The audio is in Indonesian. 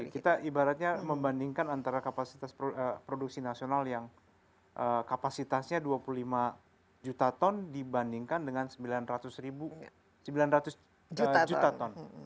kita ibaratnya membandingkan antara kapasitas produksi nasional yang kapasitasnya dua puluh lima juta ton dibandingkan dengan sembilan ratus juta ton